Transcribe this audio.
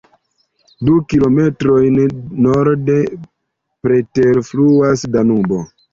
Du kilometrojn norde preterfluas Danubo.